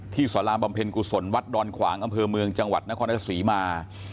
ที่สระลามบำเพ็ญกุศรวัดดอนขวางกำเผินเมืองจังหวัดนครรภาษีมา